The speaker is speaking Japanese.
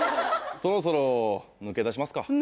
そろそろ抜け出しますか。